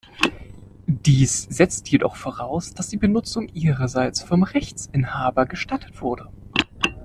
Dies setzt jedoch voraus, dass die Benutzung ihrerseits vom Rechtsinhaber gestattet wurde.